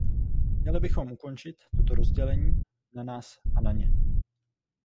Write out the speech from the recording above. Měli bychom ukončit toto rozdělení na nás a na ně.